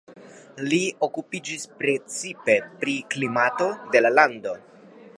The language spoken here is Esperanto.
Li okupiĝis precipe pri klimato de la lando.